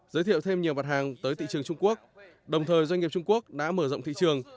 giới thiệu thêm nhiều mặt hàng tới thị trường trung quốc đồng thời doanh nghiệp trung quốc đã mở rộng thị trường